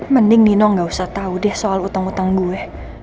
mending nino nggak usah tahu deh soal utang utang gue